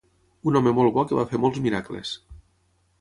Un home molt bo que va fer molts miracles.